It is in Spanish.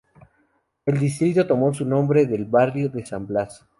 El distrito tomó su nombre del barrio de San Blas.